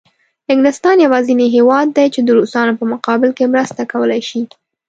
انګلستان یوازینی هېواد دی چې د روسانو په مقابل کې مرسته کولای شي.